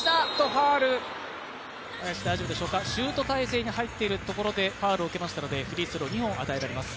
シュート態勢に入っているところでファウルを受けましたのでフリースロー、２本、与えられます。